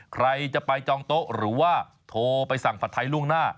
ใครจะไปจองโต๊ะหรือว่าโทรไปสั่งผัดไทยล่วงหน้า